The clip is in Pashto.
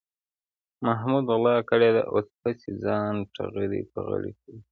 محمود غلا کړې ده، اوس هسې ځان تغړې پغړې کوي.